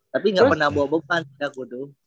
tapi gak pernah bobok bobokan ya aku tuh